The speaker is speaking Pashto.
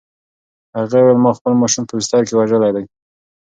هغې وویل: "ما خپل ماشوم په بستر کې وژلی دی؟"